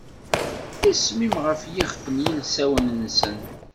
Isem-im ɣef yixef n yilsawen-nsen.